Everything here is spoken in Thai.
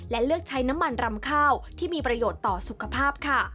และเลือกใช้น้ำมันรำข้าวที่มีประโยชน์ต่อสุขภาพค่ะ